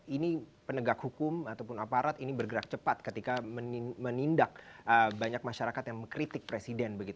ini penegak hukum ataupun aparat ini bergerak cepat ketika menindak banyak masyarakat yang mengkritik presiden